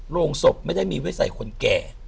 โรงศพไม่ได้มีไว้ใส่คนแก่